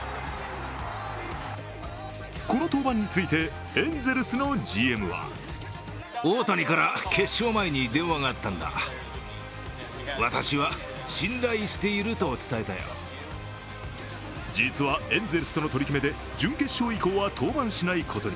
この登板について、エンゼルスのＧＭは実は、エンゼルスとの取り決めで準決勝以降は登板しないことに。